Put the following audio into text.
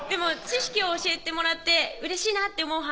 知識を教えてもらってうれしいなって思う